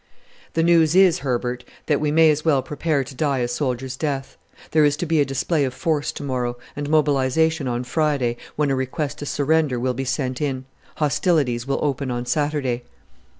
"The news is, Herbert, that we may as well prepare to die a soldier's death. There is to be a display of force to morrow, and mobilization on Friday, when a request to surrender will be sent in. Hostilities will open on Saturday."